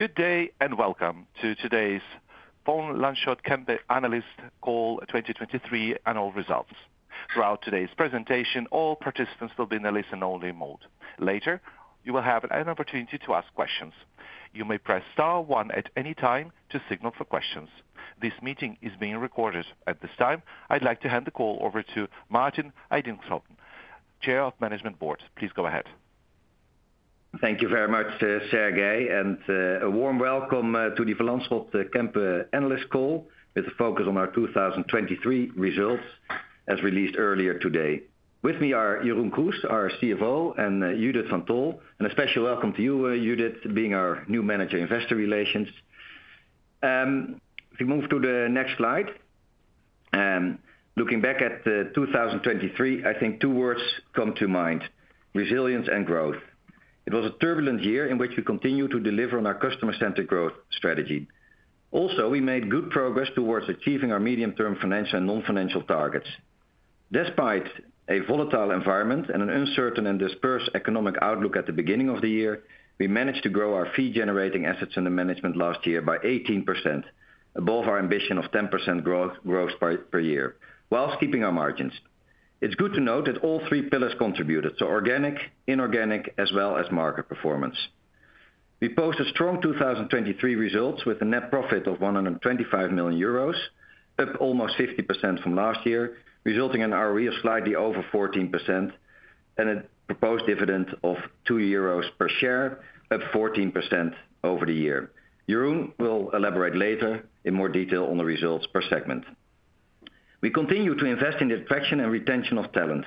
Good day and welcome to today's Van Lanschot Kempen Analyst Call 2023 Annual Results. Throughout today's presentation, all participants will be in a listen-only mode. Later, you will have an opportunity to ask questions. You may press star one at any time to signal for questions. This meeting is being recorded. At this time, I'd like to hand the call over to Maarten Edixhoven, Chair of the Management Board. Please go ahead. Thank you very much, Sergei, and a warm welcome to the Van Lanschot Kempen Analyst Call with a focus on our 2023 results as released earlier today. With me are Jeroen Kroes, our CFO, and Judith van Tol. A special welcome to you, Judith, being our new Manager, Investor Relations. If we move to the next slide, looking back at 2023, I think two words come to mind: resilience and growth. It was a turbulent year in which we continued to deliver on our customer-centered growth strategy. Also, we made good progress towards achieving our medium-term financial and non-financial targets. Despite a volatile environment and an uncertain and dispersed economic outlook at the beginning of the year, we managed to grow our fee-generating assets under management last year by 18%, above our ambition of 10% growth per year, whilst keeping our margins. It's good to note that all three pillars contributed, so organic, inorganic, as well as market performance. We posted strong 2023 results with a net profit of 125 million euros, up almost 50% from last year, resulting in an ROE of slightly over 14%, and a proposed dividend of 2 euros per share, up 14% over the year. Jeroen will elaborate later in more detail on the results per segment. We continue to invest in the attraction and retention of talent.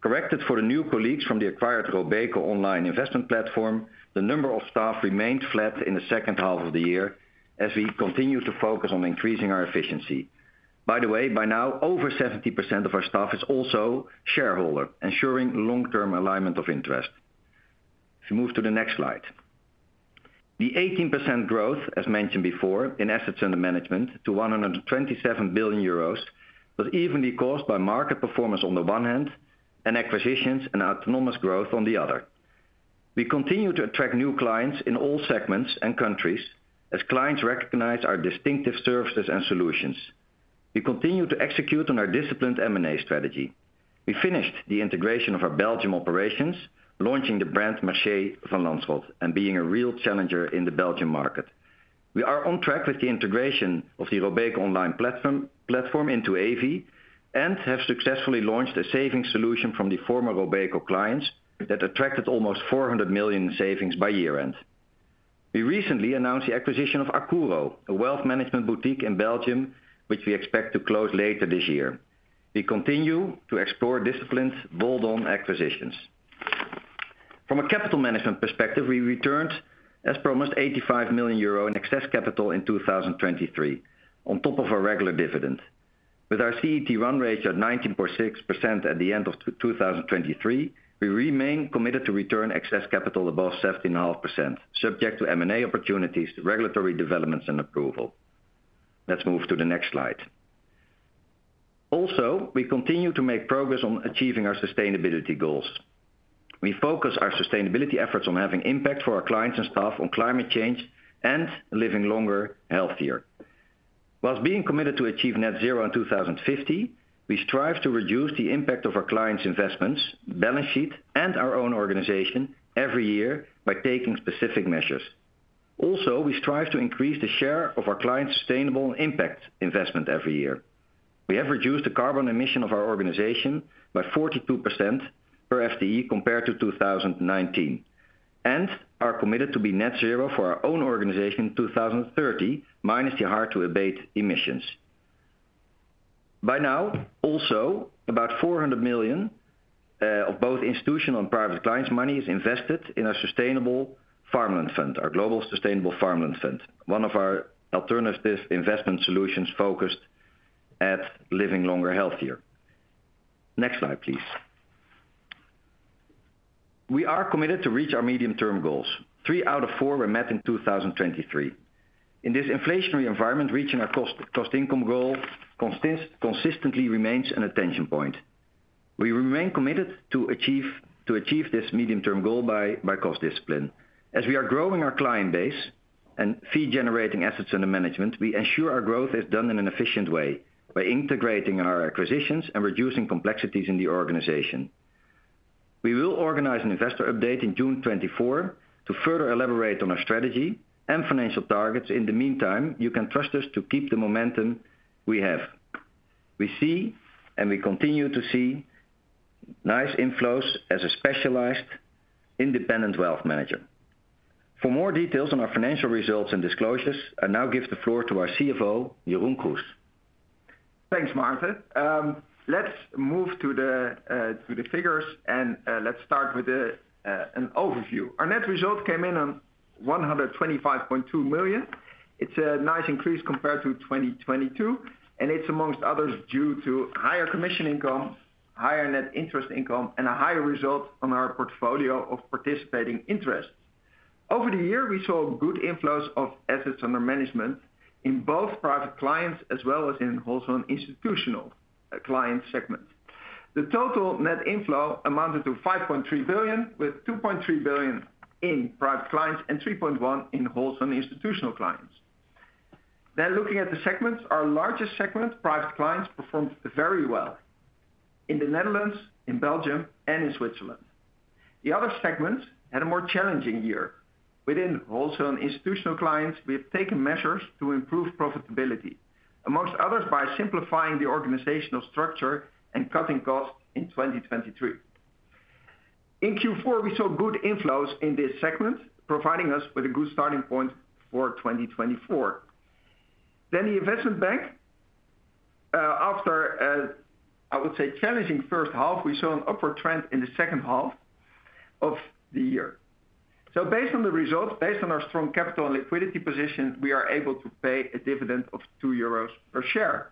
Corrected for the new colleagues from the acquired Robeco online investment platform, the number of staff remained flat in the second half of the year as we continue to focus on increasing our efficiency. By the way, by now, over 70% of our staff is also shareholder, ensuring long-term alignment of interest. If we move to the next slide. The 18% growth, as mentioned before, in assets under management to 127 billion euros was evenly caused by market performance on the one hand, and acquisitions and autonomous growth on the other. We continue to attract new clients in all segments and countries as clients recognize our distinctive services and solutions. We continue to execute on our disciplined M&A strategy. We finished the integration of our Belgium operations, launching the brand Mercier Van Lanschot, and being a real challenger in the Belgian market. We are on track with the integration of the Robeco online platform into Evi, and have successfully launched a savings solution from the former Robeco clients that attracted almost 400 million in savings by year-end. We recently announced the acquisition of Accuro, a wealth management boutique in Belgium, which we expect to close later this year. We continue to explore disciplined, well-done acquisitions. From a capital management perspective, we returned, as promised, 85 million euro in excess capital in 2023, on top of our regular dividend. With our CET1 rate at 19.6% at the end of the 2023, we remain committed to return excess capital above 17.5%, subject to M&A opportunities, regulatory developments, and approval. Let's move to the next slide. Also, we continue to make progress on achieving our sustainability goals. We focus our sustainability efforts on having impact for our clients and staff on climate change and living longer, healthier. While being committed to achieve net zero in 2050, we strive to reduce the impact of our clients' investments, balance sheet, and our own organization every year by taking specific measures. Also, we strive to increase the share of our clients' sustainable impact investment every year. We have reduced the carbon emission of our organization by 42% per FTE compared to 2019, and are committed to be net zero for our own organization in 2030, minus the hard-to-abate emissions. By now, also, about 400 million of both institutional and private clients' money is invested in our sustainable farmland fund, our Global Sustainable Farmland Fund, one of our alternative investment solutions focused at living longer, healthier. Next slide, please. We are committed to reach our medium-term goals. Three out of four were met in 2023. In this inflationary environment, reaching our cost, cost-income goal consistently remains an attention point. We remain committed to achieve, to achieve this medium-term goal by, by cost discipline. As we are growing our client base and fee-generating assets in the management, we ensure our growth is done in an efficient way by integrating in our acquisitions and reducing complexities in the organization. We will organize an investor update in June 2024 to further elaborate on our strategy and financial targets. In the meantime, you can trust us to keep the momentum we have. We see, and we continue to see, nice inflows as a specialized, independent wealth manager. For more details on our financial results and disclosures, I now give the floor to our CFO, Jeroen Kroes. Thanks, Maarten. Let's move to the figures and let's start with an overview. Our net result came in on 125.2 million. It's a nice increase compared to 2022, and it's, among others, due to higher commission income, higher net interest income, and a higher result on our portfolio of participating interests. Over the year, we saw good inflows of assets under management in both private clients as well as in wholesale and institutional client segments. The total net inflow amounted to 5.3 billion, with 2.3 billion in private clients and 3.1 billion in wholesale and institutional clients. Then, looking at the segments, our largest segment, private clients, performed very well in the Netherlands, in Belgium, and in Switzerland. The other segments had a more challenging year. Within wholesale and institutional clients, we have taken measures to improve profitability, among others, by simplifying the organizational structure and cutting costs in 2023. In Q4, we saw good inflows in this segment, providing us with a good starting point for 2024. Then the investment bank, after a, I would say, challenging first half, we saw an upward trend in the second half of the year. So, based on the results, based on our strong capital and liquidity position, we are able to pay a dividend of 2 euros per share.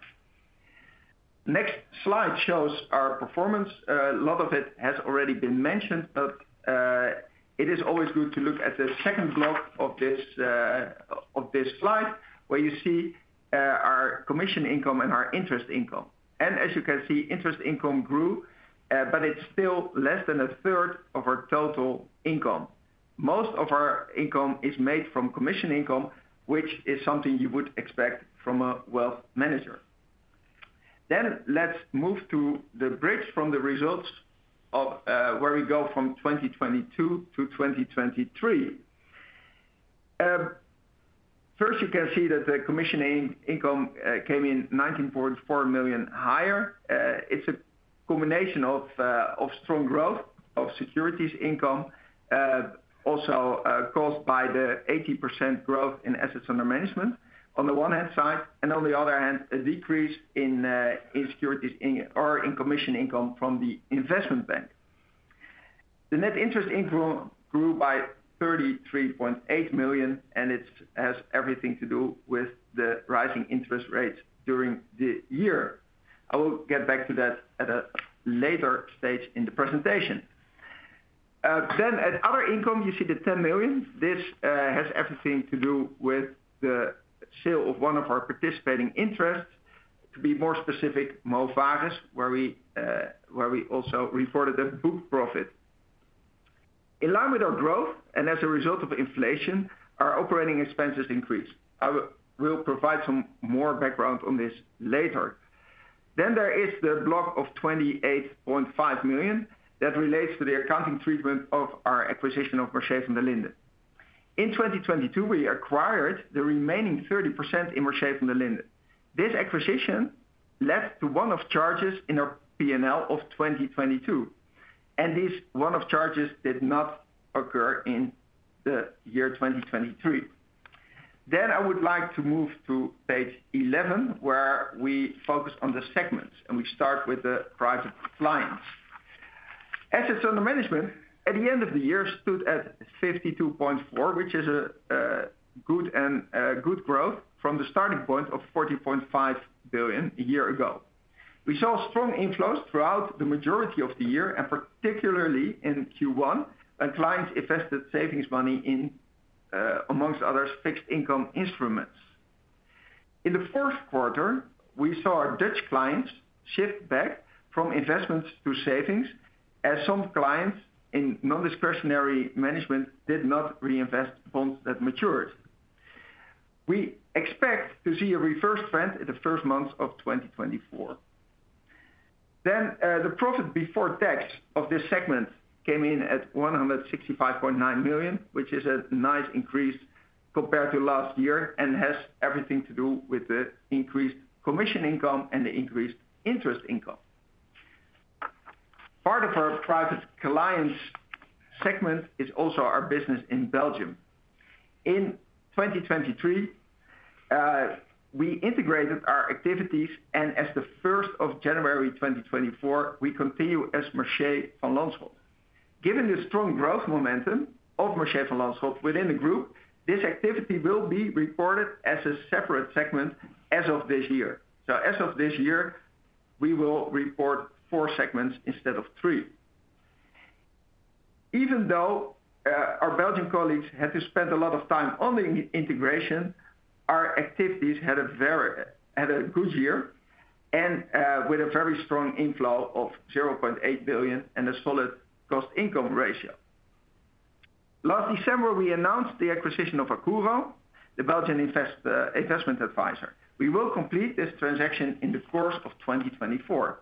Next slide shows our performance. A lot of it has already been mentioned, but, it is always good to look at the second block of this, of this slide where you see, our commission income and our interest income. And as you can see, interest income grew, but it's still less than a third of our total income. Most of our income is made from commission income, which is something you would expect from a wealth manager. Then let's move to the bridge from the results of, where we go from 2022 to 2023. First, you can see that the commission income came in 19.4 million higher. It's a combination of strong growth of securities income, also caused by the 80% growth in assets under management on the one hand side, and on the other hand, a decrease in securities in or in commission income from the investment bank. The net interest income grew by 33.8 million, and it has everything to do with the rising interest rates during the year. I will get back to that at a later stage in the presentation. Then at other income, you see the 10 million. This has everything to do with the sale of one of our participating interests, to be more specific, Movares, where we also reported the book profit. In line with our growth and as a result of inflation, our operating expenses increased. I will provide some more background on this later. Then there is the block of 28.5 million that relates to the accounting treatment of our acquisition of Mercier Vanderlinden. In 2022, we acquired the remaining 30% in Mercier Vanderlinden. This acquisition led to one-off charges in our P&L of 2022, and these one-off charges did not occur in the year 2023. Then I would like to move to page 11 where we focus on the segments, and we start with the private clients. Assets Under Management at the end of the year stood at 52.4 billion, which is a good growth from the starting point of 40.5 billion a year ago. We saw strong inflows throughout the majority of the year, and particularly in Q1 when clients invested savings money in, amongst others, fixed income instruments. In the fourth quarter, we saw our Dutch clients shift back from investments to savings as some clients in nondiscretionary management did not reinvest bonds that matured. We expect to see a reverse trend in the first months of 2024. Then, the profit before tax of this segment came in at 165.9 million, which is a nice increase compared to last year and has everything to do with the increased commission income and the increased interest income. Part of our private clients segment is also our business in Belgium. In 2023, we integrated our activities, and as of January 1, 2024, we continue as Mercier Van Lanschot. Given the strong growth momentum of Mercier Van Lanschot within the group, this activity will be reported as a separate segment as of this year. So, as of this year, we will report four segments instead of three. Even though our Belgian colleagues had to spend a lot of time on the integration, our activities had a very good year and with a very strong inflow of 0.8 billion and a solid cost-income ratio. Last December, we announced the acquisition of Accuro, the Belgian investment advisor. We will complete this transaction in the course of 2024.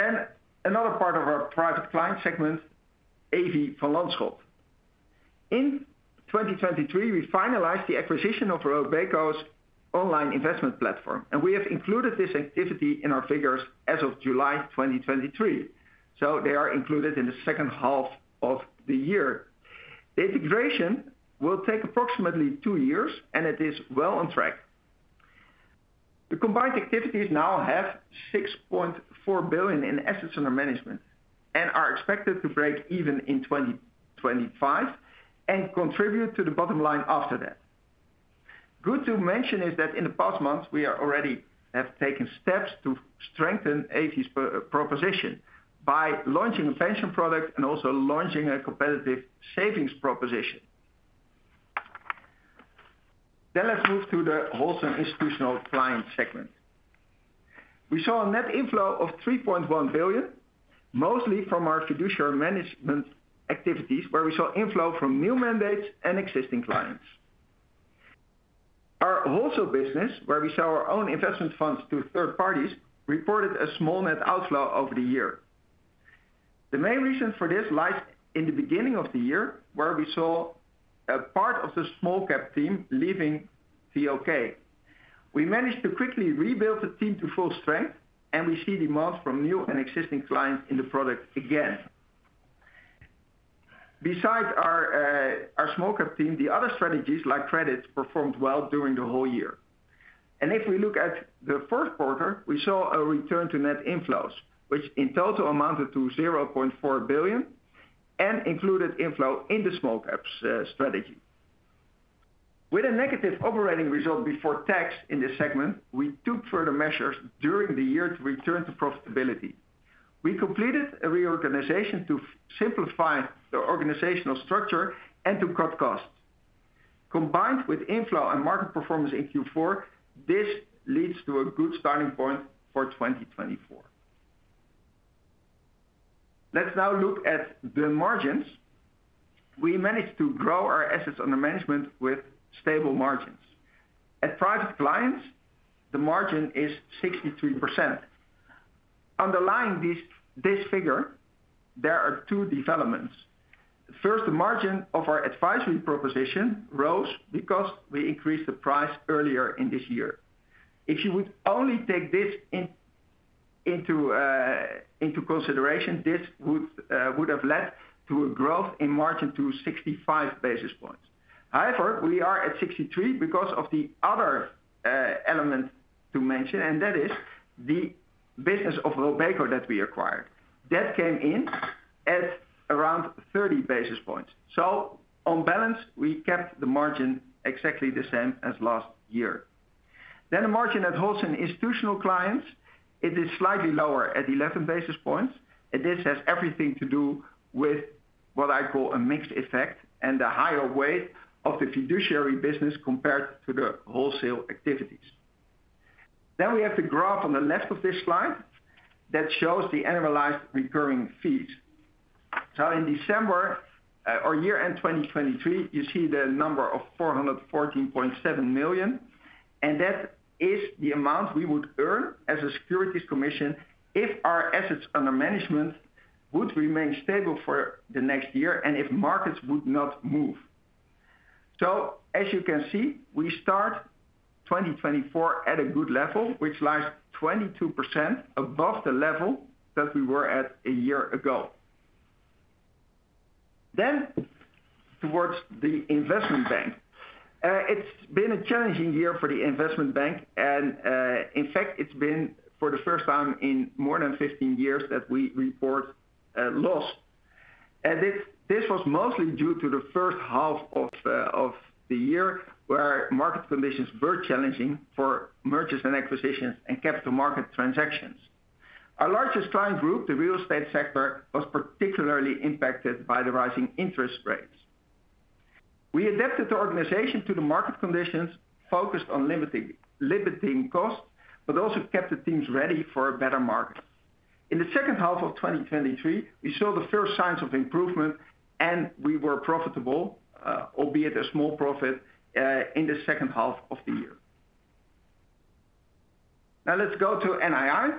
Then another part of our private client segment, Evi Van Lanschot. In 2023, we finalized the acquisition of Robeco's online investment platform, and we have included this activity in our figures as of July 2023. So, they are included in the second half of the year. The integration will take approximately two years, and it is well on track. The combined activities now have 6.4 billion in assets under management and are expected to break even in 2025 and contribute to the bottom line after that. Good to mention is that in the past months, we are already have taken steps to strengthen Evi's proposition by launching a pension product and also launching a competitive savings proposition. Then let's move to the wholesale institutional client segment. We saw a net inflow of 3.1 billion, mostly from our fiduciary management activities where we saw inflow from new mandates and existing clients. Our wholesale business, where we sell our own investment funds to third parties, reported a small net outflow over the year. The main reason for this lies in the beginning of the year where we saw a part of the small-cap team leaving the OK. We managed to quickly rebuild the team to full strength, and we see demand from new and existing clients in the product again. Besides our small-cap team, the other strategies like credits performed well during the whole year. And if we look at the fourth quarter, we saw a return to net inflows, which in total amounted to 0.4 billion and included inflow in the small-caps strategy. With a negative operating result before tax in this segment, we took further measures during the year to return to profitability. We completed a reorganization to simplify the organizational structure and to cut costs. Combined with inflow and market performance in Q4, this leads to a good starting point for 2024. Let's now look at the margins. We managed to grow our assets under management with stable margins. At private clients, the margin is 63%. Underlying this figure, there are two developments. First, the margin of our advisory proposition rose because we increased the price earlier in this year. If you would only take this into consideration, this would have led to a growth in margin to 65 basis points. However, we are at 63 because of the other element to mention, and that is the business of Robeco that we acquired. That came in at around 30 basis points. So, on balance, we kept the margin exactly the same as last year. Then the margin at wholesale institutional clients, it is slightly lower at 11 basis points. This has everything to do with what I call a mixed effect and the higher weight of the fiduciary business compared to the wholesale activities. Then we have the graph on the left of this slide that shows the annualized recurring fees. So, in December, or year-end 2023, you see the number of 414.7 million, and that is the amount we would earn as a securities commission if our assets under management would remain stable for the next year and if markets would not move. So, as you can see, we start 2024 at a good level, which lies 22% above the level that we were at a year ago. Then towards the investment bank. It's been a challenging year for the investment bank and, in fact, it's been for the first time in more than 15 years that we report loss. This was mostly due to the first half of the year where market conditions were challenging for mergers and acquisitions and capital market transactions. Our largest client group, the real estate sector, was particularly impacted by the rising interest rates. We adapted the organization to the market conditions, focused on limiting costs, but also kept the teams ready for a better market. In the second half of 2023, we saw the first signs of improvement, and we were profitable, albeit a small profit, in the second half of the year. Now, let's go to NII.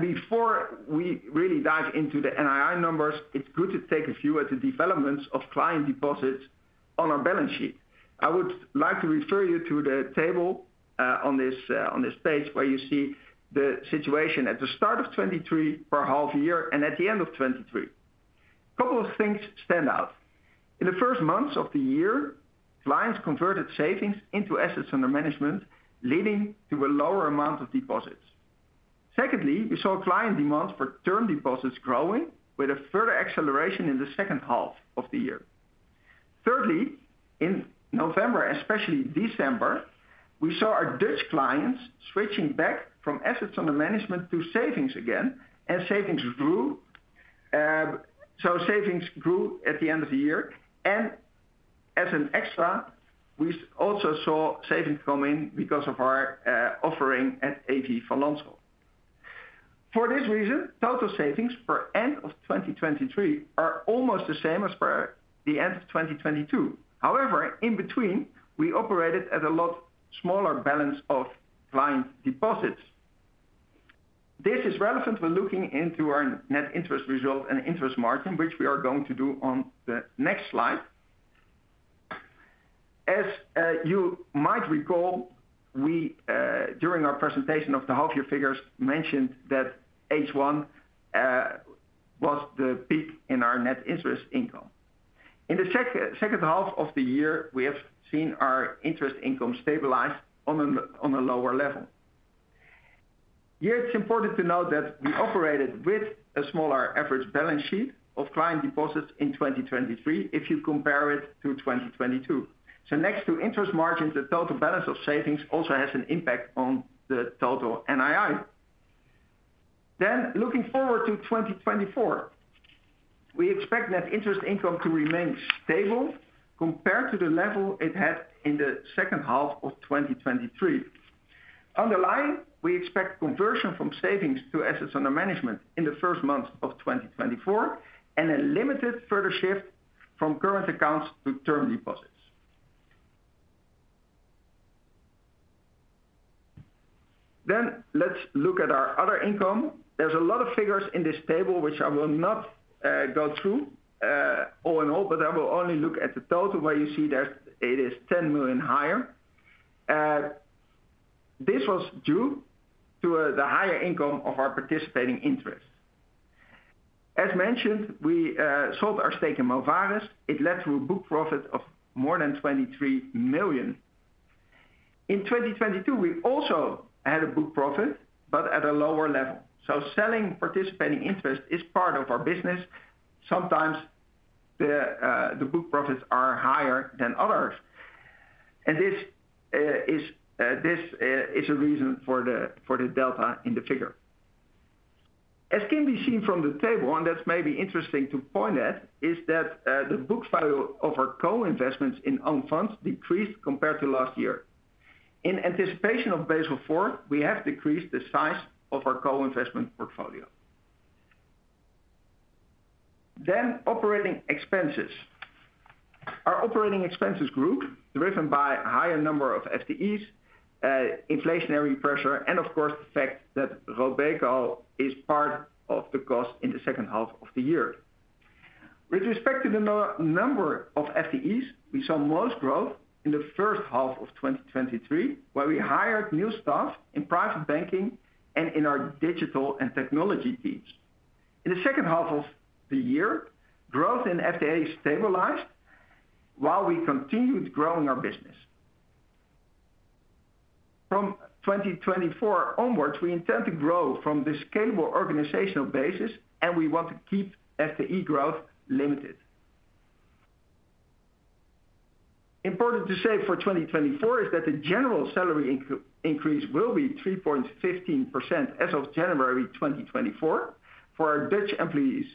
Before we really dive into the NII numbers, it's good to take a view at the developments of client deposits on our balance sheet. I would like to refer you to the table, on this, on this page where you see the situation at the start of 2023 for half a year and at the end of 2023. A couple of things stand out. In the first months of the year, clients converted savings into assets under management, leading to a lower amount of deposits. Secondly, we saw client demand for term deposits growing with a further acceleration in the second half of the year. Thirdly, in November, especially December, we saw our Dutch clients switching back from assets under management to savings again, and savings grew, so savings grew at the end of the year. And as an extra, we also saw savings come in because of our, offering at Evi van Lanschot. For this reason, total savings per end of 2023 are almost the same as per the end of 2022. However, in between, we operated at a lot smaller balance of client deposits. This is relevant when looking into our net interest result and interest margin, which we are going to do on the next slide. As you might recall, we, during our presentation of the half-year figures, mentioned that H1 was the peak in our net interest income. In the second half of the year, we have seen our interest income stabilize on a lower level. Here, it's important to note that we operated with a smaller average balance sheet of client deposits in 2023 if you compare it to 2022. So, next to interest margins, the total balance of savings also has an impact on the total NII. Then, looking forward to 2024, we expect net interest income to remain stable compared to the level it had in the second half of 2023. Underlying, we expect conversion from savings to assets under management in the first months of 2024 and a limited further shift from current accounts to term deposits. Then, let's look at our other income. There's a lot of figures in this table, which I will not go through, all in all, but I will only look at the total where you see there it is 10 million higher. This was due to the higher income of our participating interests. As mentioned, we sold our stake in Movares. It led to a book profit of more than 23 million. In 2022, we also had a book profit, but at a lower level. So, selling participating interest is part of our business. Sometimes the book profits are higher than others. And this is a reason for the delta in the figure. As can be seen from the table, and that's maybe interesting to point at, is that the book value of our co-investments in own funds decreased compared to last year. In anticipation of Basel IV, we have decreased the size of our co-investment portfolio. Then, operating expenses. Our operating expenses grew driven by a higher number of FTEs, inflationary pressure, and of course, the fact that Robeco is part of the cost in the second half of the year. With respect to the number of FTEs, we saw most growth in the first half of 2023 where we hired new staff in private banking and in our digital and technology teams. In the second half of the year, growth in FTEs stabilized while we continued growing our business. From 2024 onwards, we intend to grow from the scalable organizational basis, and we want to keep FTE growth limited. Important to say for 2024 is that the general salary increase will be 3.15% as of January 2024 for our Dutch employees.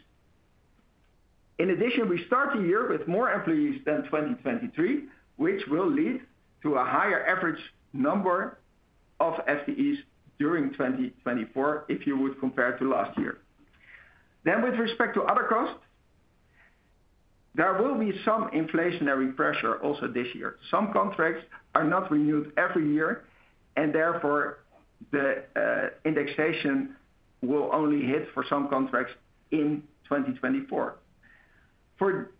In addition, we start the year with more employees than 2023, which will lead to a higher average number of FTEs during 2024 if you would compare to last year. Then, with respect to other costs, there will be some inflationary pressure also this year. Some contracts are not renewed every year, and therefore, the indexation will only hit for some contracts in 2024. For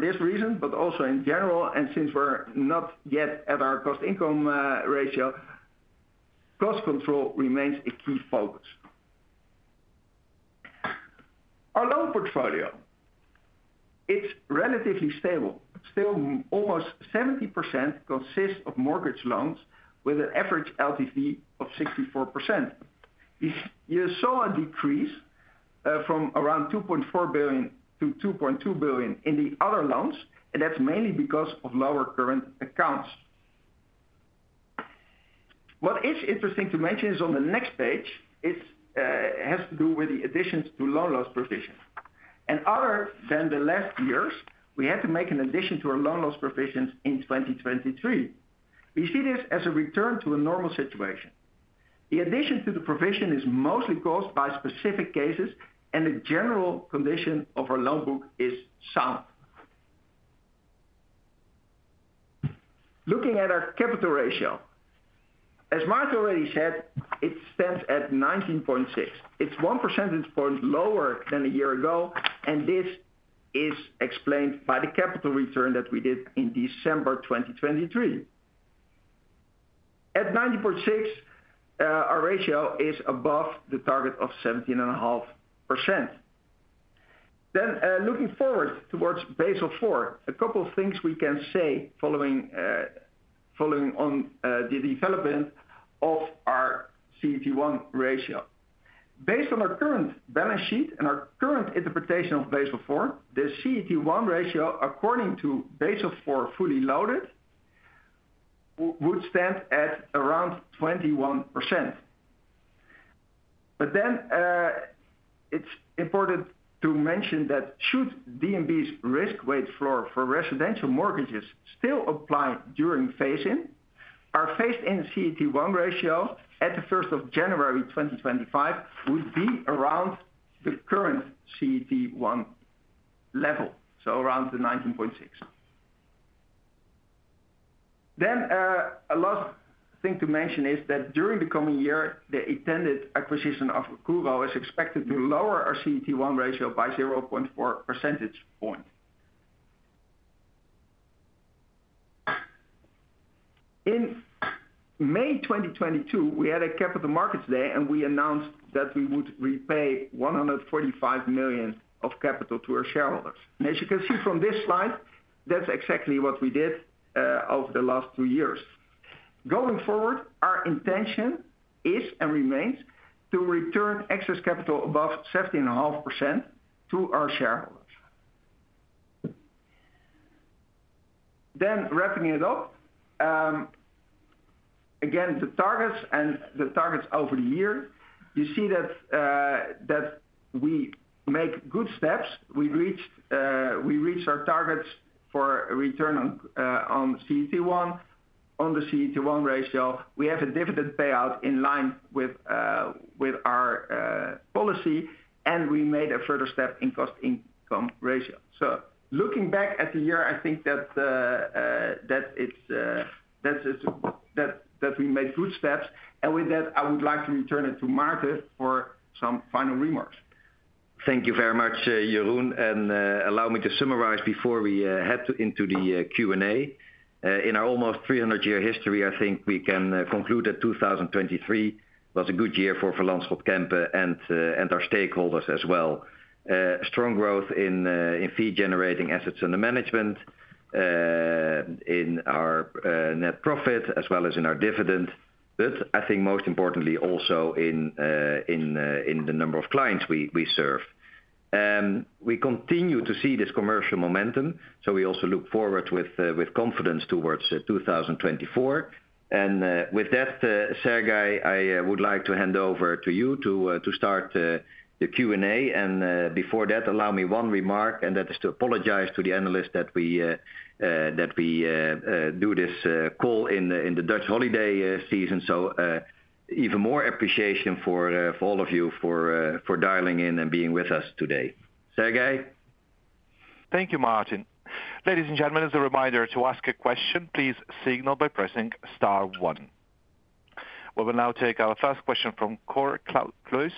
this reason, but also in general, and since we're not yet at our cost-income ratio, cost control remains a key focus. Our loan portfolio, it's relatively stable. Still, almost 70% consists of mortgage loans with an average LTV of 64%. You saw a decrease, from around 2.4 billion-2.2 billion in the other loans, and that's mainly because of lower current accounts. What is interesting to mention is on the next page, it has to do with the additions to loan loss provision. Other than the last years, we had to make an addition to our loan loss provisions in 2023. We see this as a return to a normal situation. The addition to the provision is mostly caused by specific cases, and the general condition of our loan book is sound. Looking at our capital ratio, as Maarten already said, it stands at 19.6. It's one percentage point lower than a year ago, and this is explained by the capital return that we did in December 2023. At 90.6, our ratio is above the target of 17.5%. Then, looking forward towards Basel IV, a couple of things we can say following on the development of our CET1 ratio. Based on our current balance sheet and our current interpretation of Basel IV, the CET1 ratio, according to Basel IV fully loaded, would stand at around 21%. But then, it's important to mention that should DNB's risk weight floor for residential mortgages still apply during phase-in, our phase-in CET1 ratio at the first of January 2025 would be around the current CET1 level, so around the 19.6%. Then, a last thing to mention is that during the coming year, the intended acquisition of Accuro is expected to lower our CET1 ratio by 0.4 percentage point. In May 2022, we had a Capital Markets Day, and we announced that we would repay 145 million of capital to our shareholders. As you can see from this slide, that's exactly what we did, over the last two years. Going forward, our intention is and remains to return excess capital above 17.5% to our shareholders. Then, wrapping it up, again, the targets over the year, you see that we make good steps. We reached our targets for a return on CET1, on the CET1 ratio. We have a dividend payout in line with our policy, and we made a further step in cost-income ratio. Looking back at the year, I think that we made good steps. And with that, I would like to return it to Maarten for some final remarks. Thank you very much, Jeroen, and allow me to summarize before we head into the Q&A. In our almost 300-year history, I think we can conclude that 2023 was a good year for Van Lanschot Kempen and our stakeholders as well. Strong growth in fee-generating assets under management, in our net profit as well as in our dividend, but I think most importantly also in the number of clients we serve. We continue to see this commercial momentum, so we also look forward with confidence towards 2024. And with that, Sergei, I would like to hand over to you to start the Q&A. And before that, allow me one remark, and that is to apologize to the analysts that we do this call in the Dutch holiday season. So, even more appreciation for all of you for dialing in and being with us today. Sergei? Thank you, Maarten. Ladies and gentlemen, as a reminder to ask a question, please signal by pressing star one. We will now take our first question from Cor Kluis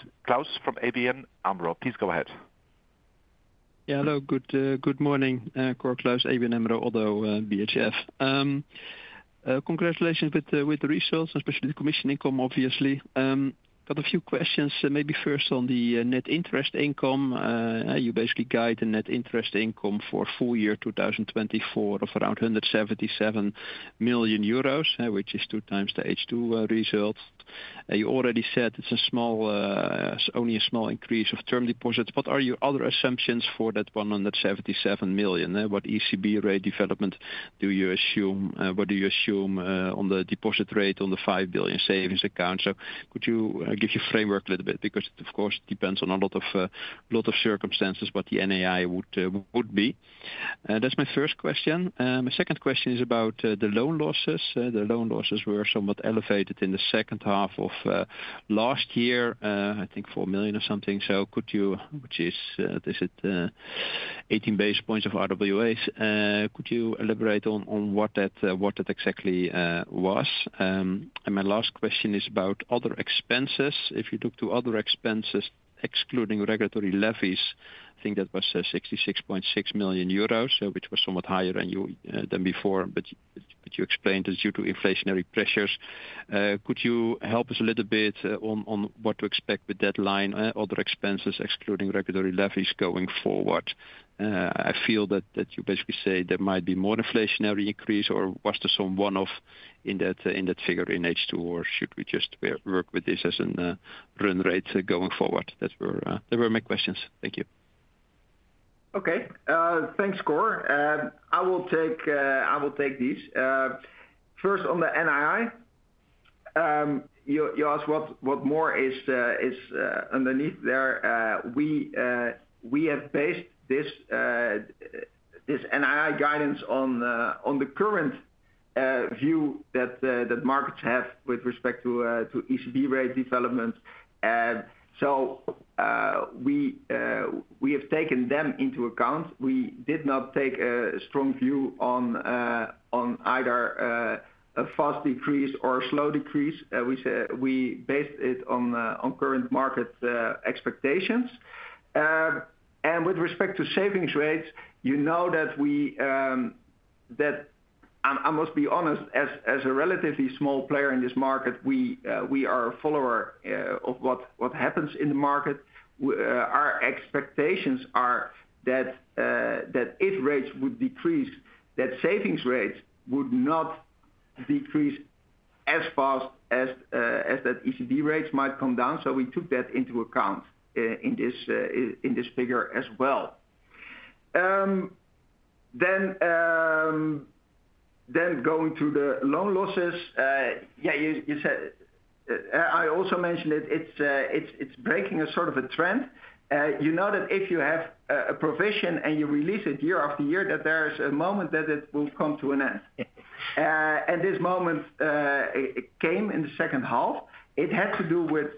from ABN AMRO. Please go ahead. Yeah, hello. Good morning, Cor Kluis, ABN AMRO - ODDO BHF. Congratulations with the results, especially the commission income, obviously. Got a few questions, maybe first on the net interest income. You basically guide the net interest income for full year 2024 of around 177 million euros, which is 2 times the H2 results. You already said it's only a small increase of term deposits. What are your other assumptions for that 177 million? What ECB rate development do you assume? What do you assume on the deposit rate on the 5 billion savings account? So could you give your framework a little bit because it of course depends on a lot of circumstances what the NAI would be. That's my first question. My second question is about the loan losses. The loan losses were somewhat elevated in the second half of last year, I think 4 million or something. Could you elaborate on what that exactly was? Which is 18 basis points of RWAs. And my last question is about other expenses. If you look at other expenses excluding regulatory levies, I think that was 66.6 million euros, which was somewhat higher than before, but you explained it's due to inflationary pressures. Could you help us a little bit on what to expect with that line, other expenses excluding regulatory levies going forward? I feel that you basically say there might be more inflationary increase or was there some one-off in that figure in H2 or should we just work with this as a run rate going forward? That were my questions. Thank you. Okay. Thanks, Cor. I will take these. First on the NII. You asked what more is underneath there. We have based this NII guidance on the current view that markets have with respect to ECB rate developments. So, we have taken them into account. We did not take a strong view on either a fast decrease or a slow decrease. We said we based it on current market expectations. And with respect to savings rates, you know that we, that I must be honest, as a relatively small player in this market, we are a follower of what happens in the market. Our expectations are that if rates would decrease, savings rates would not decrease as fast as ECB rates might come down. So we took that into account in this figure as well. Then going to the loan losses, yeah, you said, I also mentioned it, it's breaking a sort of a trend. You know that if you have a provision and you release it year after year, that there's a moment that it will come to an end. And this moment came in the second half. It had to do with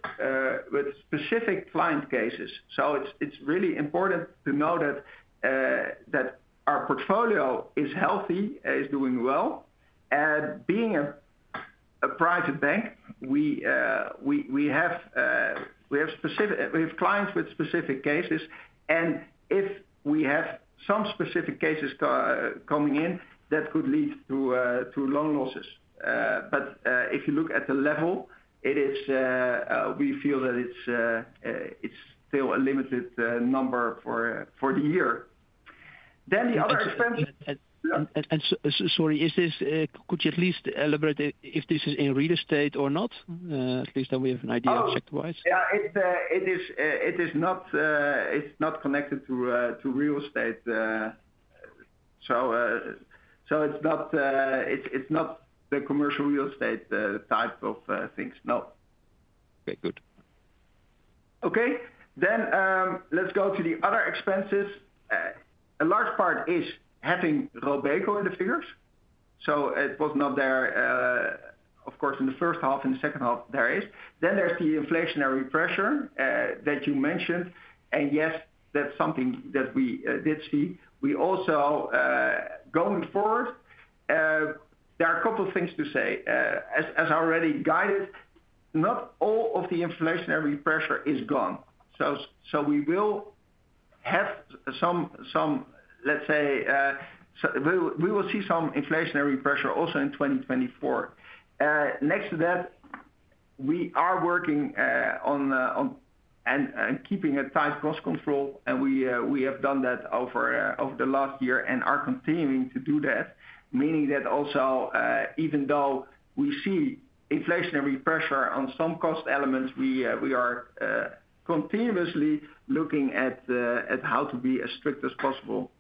specific client cases. So it's really important to know that our portfolio is healthy, doing well. Being a private bank, we have clients with specific cases. And if we have some specific cases coming in, that could lead to loan losses. But if you look at the level, we feel that it's still a limited number for the year. Then the other expenses. And sorry, could you at least elaborate if this is in real estate or not? At least then we have an idea of sector-wise. Yeah, it is not connected to real estate. So it's not the commercial real estate type of things. No. Okay. Good. Okay. Then, let's go to the other expenses. A large part is having Robeco in the figures. So it was not there, of course, in the first half. In the second half, there is. Then there's the inflationary pressure that you mentioned. And yes, that's something that we did see. We also, going forward, there are a couple of things to say. As I already guided, not all of the inflationary pressure is gone. So we will have some, let's say, we will see some inflationary pressure also in 2024. Next to that, we are working on and keeping a tight cost control. And we have done that over the last year and are continuing to do that, meaning that also, even though we see inflationary pressure on some cost elements, we are continuously looking at how to be as strict as possible.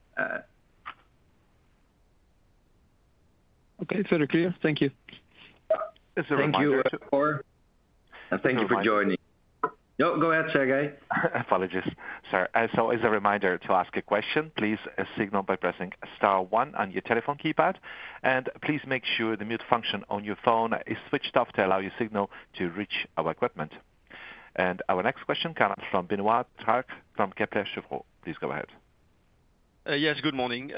Okay. Is that clear? Thank you. Thank you. Thank you for joining. No, go ahead, Sergei. Apologies. Sorry. So as a reminder to ask a question, please signal by pressing star one on your telephone keypad. And please make sure the mute function on your phone is switched off to allow your signal to reach our equipment. And our next question comes fromBenoît Pétrarque from Kepler Cheuvreux. Please go ahead. Yes. Good morning.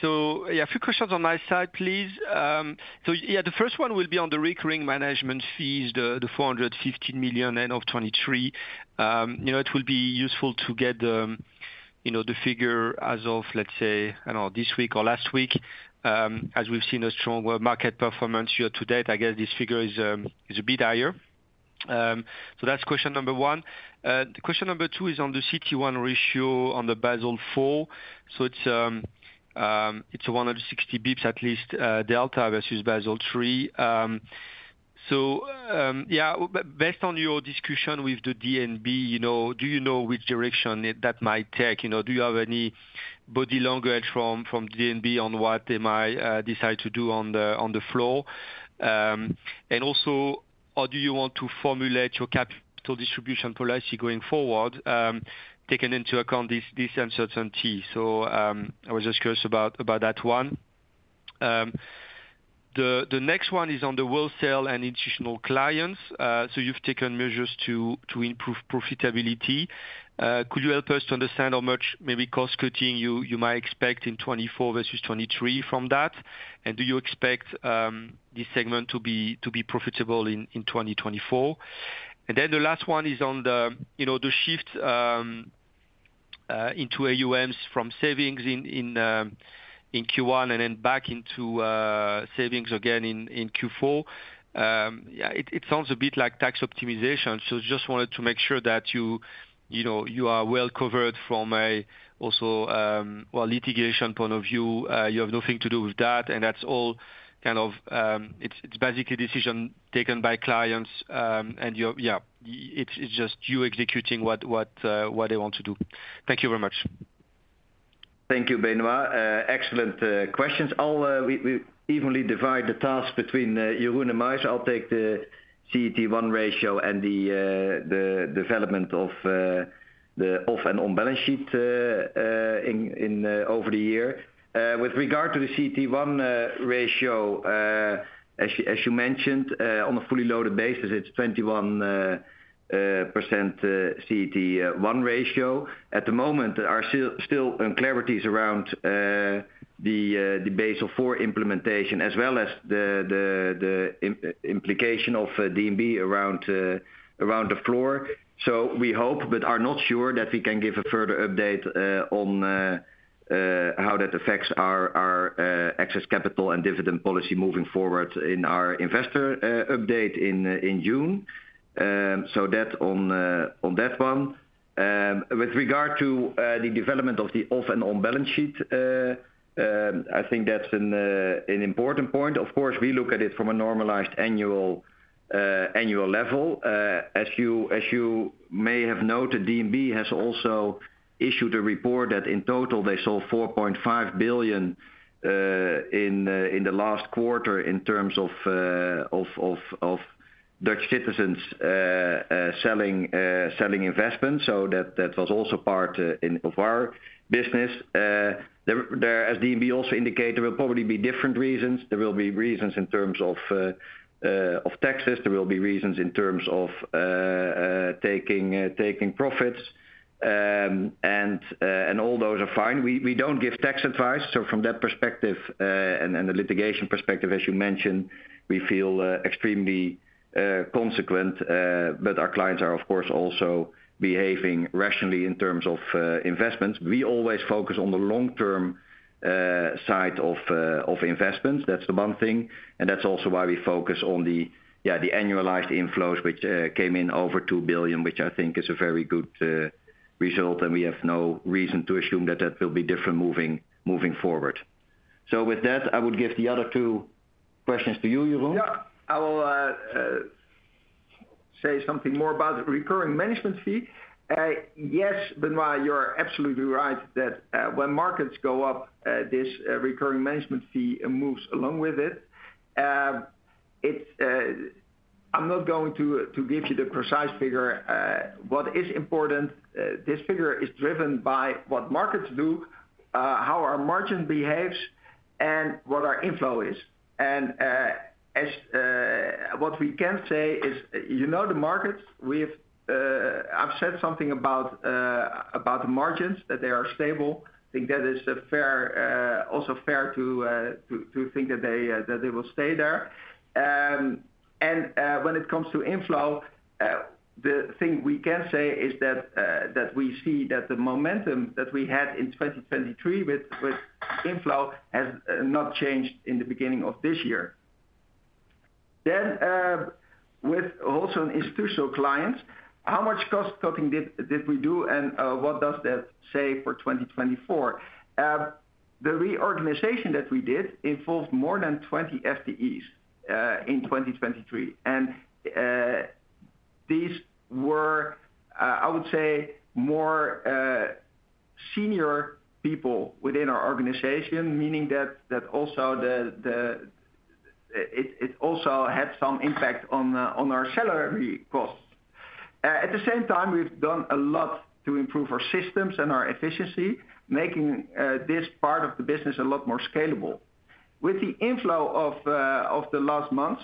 So, yeah, a few questions on my side, please. So, yeah, the first one will be on the recurring management fees, the 415 million end of 2023. You know, it will be useful to get, you know, the figure as of, let's say, I don't know, this week or last week. As we've seen a stronger market performance year to date, I guess this figure is, is a bit higher. So that's question number one. The question number two is on the CET1 ratio on the Basel IV. So it's, it's a 160 basis points at least, delta versus Basel III. So, yeah, based on your discussion with the DNB, you know, do you know which direction that might take? You know, do you have any body language from, from DNB on what they might, decide to do on the, on the floor? And also, or do you want to formulate your capital distribution policy going forward, taking into account this, this uncertainty? So, I was just curious about, about that one. The next one is on the wholesale and institutional clients. So you've taken measures to improve profitability. Could you help us to understand how much maybe cost cutting you might expect in 2024 versus 2023 from that? And do you expect this segment to be profitable in 2024? And then the last one is on the, you know, the shift into AUM from savings in Q1 and then back into savings again in Q4. Yeah, it sounds a bit like tax optimization. So I just wanted to make sure that you, you know, you are well covered from a also, well, litigation point of view. You have nothing to do with that. And that's all kind of, it's basically decision taken by clients, and you're, yeah, it's just you executing what they want to do. Thank you very much. Thank you, Benoit. Excellent questions. We evenly divide the tasks between Jeroen and Maarten. I'll take the CET1 ratio and the development of the off and on balance sheet in over the year. With regard to the CET1 ratio, as you mentioned, on a fully loaded basis, it's 21% CET1 ratio. At the moment, there are still uncertainties around the Basel IV implementation as well as the implication of DNB around the floor. So we hope, but are not sure that we can give a further update on how that affects our excess capital and dividend policy moving forward in our investor update in June. So that on that one. With regard to the development of the off and on balance sheet, I think that's an important point. Of course, we look at it from a normalized annual level. As you may have noted, DNB has also issued a report that in total they sold 4.5 billion in the last quarter in terms of Dutch citizens selling investments. So that was also part of our business. As DNB also indicated, there will probably be different reasons. There will be reasons in terms of taxes. There will be reasons in terms of taking profits. And all those are fine. We don't give tax advice. So from that perspective, and the litigation perspective, as you mentioned, we feel extremely confident. But our clients are, of course, also behaving rationally in terms of investments. We always focus on the long-term side of investments. That's the one thing. And that's also why we focus on the, yeah, the annualized inflows, which came in over 2 billion, which I think is a very good result. And we have no reason to assume that that will be different moving forward. So with that, I would give the other two questions to you, Jeroen. Yeah, I will say something more about the recurring management fee. Yes, Benoît, you're absolutely right that, when markets go up, this recurring management fee moves along with it. It's, I'm not going to give you the precise figure. What is important, this figure is driven by what markets do, how our margin behaves, and what our inflow is. And what we can say is, you know, the markets, we have, I've said something about the margins, that they are stable. I think that is a fair, also fair to think that they will stay there. When it comes to inflow, the thing we can say is that we see that the momentum that we had in 2023 with inflow has not changed in the beginning of this year. Then, with also institutional clients, how much cost cutting did we do and what does that say for 2024? The reorganization that we did involved more than 20 FTEs in 2023. These were, I would say, more senior people within our organization, meaning that it also had some impact on our salary costs. At the same time, we've done a lot to improve our systems and our efficiency, making this part of the business a lot more scalable. With the inflow of the last months,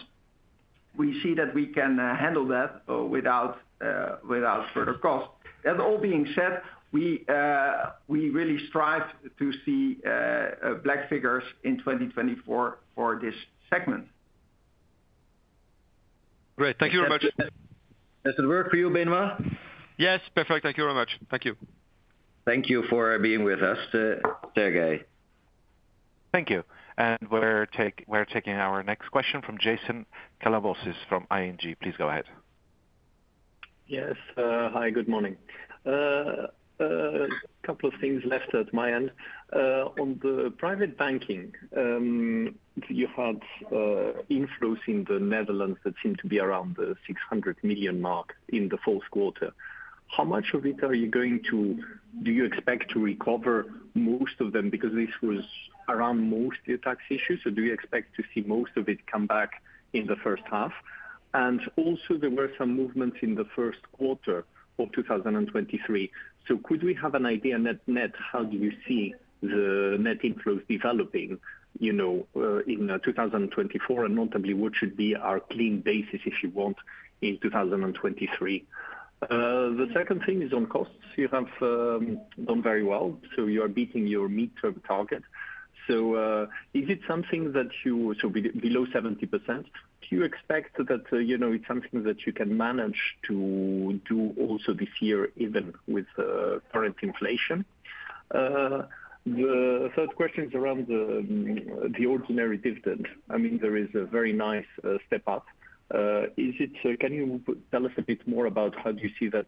we see that we can handle that without further costs. That all being said, we really strive to see black figures in 2024 for this segment. Great. Thank you very much. Does it work for you, Benoit? Yes. Perfect. Thank you very much. Thank you. Thank you for being with us, Sergei. Thank you. And we're taking our next question from Jason Kalamboussis from ING. Please go ahead. Yes. Hi. Good morning. A couple of things left at my end. On the private banking, you had inflows in the Netherlands that seem to be around the 600 million mark in the fourth quarter. How much of it do you expect to recover most of them because this was around most of your tax issues? So do you expect to see most of it come back in the first half? And also, there were some movements in the first quarter of 2023. So could we have an idea net, net how do you see the net inflows developing, you know, in 2024 and notably what should be our clean basis, if you want, in 2023? The second thing is on costs. You have done very well. So you are beating your mid-term target. So, is it something that, you, so below 70%, do you expect that, you know, it's something that you can manage to do also this year even with current inflation? The third question is around the ordinary dividend. I mean, there is a very nice step up. Is it, can you tell us a bit more about how do you see that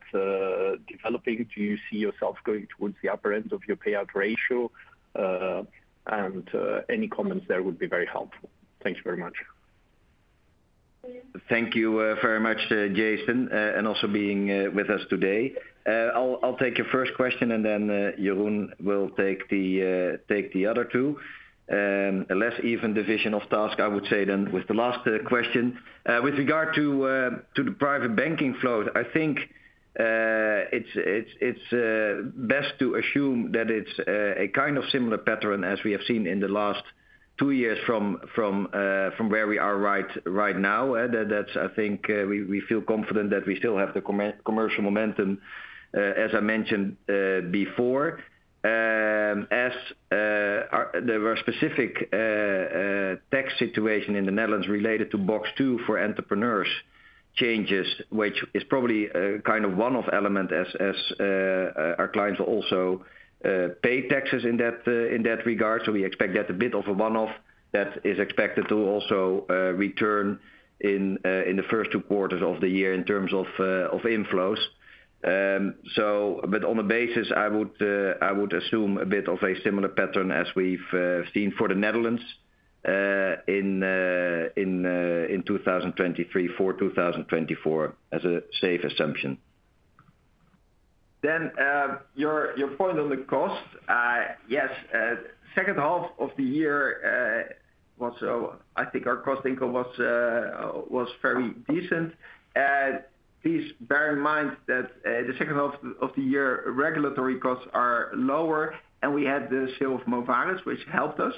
developing? Do you see yourself going towards the upper end of your payout ratio? And any comments there would be very helpful. Thank you very much. Thank you very much, Jason, and also being with us today. I'll take your first question and then Jeroen will take the other two. A less even division of task, I would say, then with the last question. With regard to the private banking flows, I think it's best to assume that it's a kind of similar pattern as we have seen in the last two years from where we are right now. That's, I think, we feel confident that we still have the commercial momentum, as I mentioned before. As there were specific tax situations in the Netherlands related to Box 2 for entrepreneurs changes, which is probably a kind of one-off element, as our clients will also pay taxes in that regard. So we expect that a bit of a one-off that is expected to also return in the first two quarters of the year in terms of inflows. So but on a basis, I would assume a bit of a similar pattern as we've seen for the Netherlands in 2023 for 2024 as a safe assumption. Then your point on the cost, yes, second half of the year, I think our cost-income was very decent. Please bear in mind that the second half of the year, regulatory costs are lower and we had the sale of Movares, which helped us.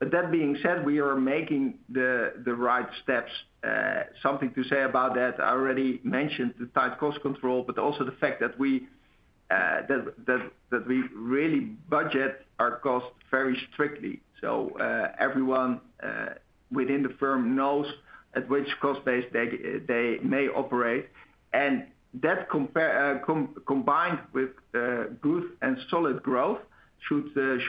But that being said, we are making the right steps. Something to say about that, I already mentioned the tight cost control, but also the fact that we really budget our costs very strictly. So, everyone within the firm knows at which cost base they may operate. And that combined with good and solid growth should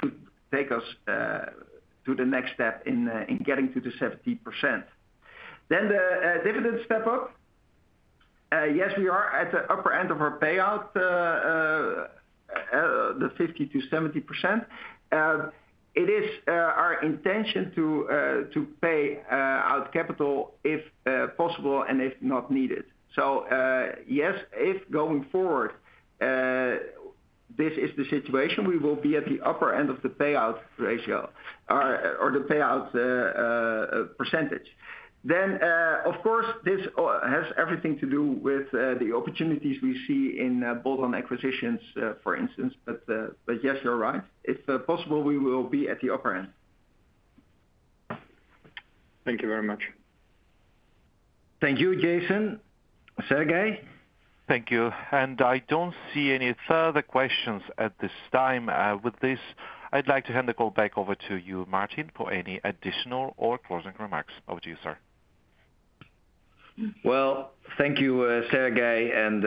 take us to the next step in getting to the 70%. Then the dividend step up. Yes, we are at the upper end of our payout, the 50%-70%. It is our intention to pay out capital if possible and if not needed. So, yes, if going forward, this is the situation, we will be at the upper end of the payout ratio or the payout percentage. Then, of course, this has everything to do with the opportunities we see in bolt-on acquisitions, for instance. But yes, you're right. If possible, we will be at the upper end. Thank you very much. Thank you, Jason. Sergei. Thank you. And I don't see any further questions at this time. With this, I'd like to hand the call back over to you, Maarten, for any additional or closing remarks. Over to you, sir. Well, thank you, Sergei. And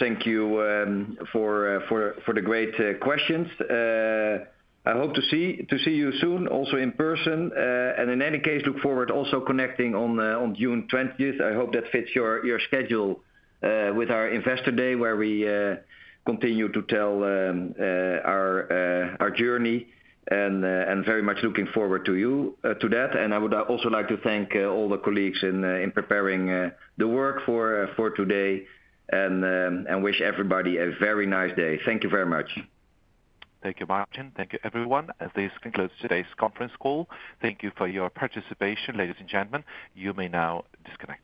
thank you for the great questions. I hope to see you soon, also in person. And in any case, look forward to also connecting on June 20th. I hope that fits your schedule, with our investor day where we continue to tell our journey. And very much looking forward to you to that. I would also like to thank all the colleagues in preparing the work for today and wish everybody a very nice day. Thank you very much. Thank you, Maarten. Thank you, everyone. This concludes today's conference call. Thank you for your participation, ladies and gentlemen. You may now disconnect.